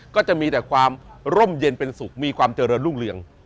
ก็มีความลมเย็นเป็นสุขมีความเจริญลุ้งเลือ่ง